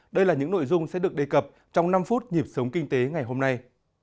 đây là những nội dung sẽ được đề cập trong năm phút nhịp sống kinh tế ngày hôm nay